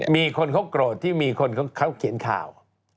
มีคนเขาโกรธที่มีคนเขาเขียนข่าว